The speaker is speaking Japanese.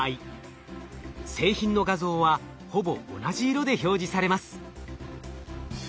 製品の画像はほぼ同じ色で表示されます。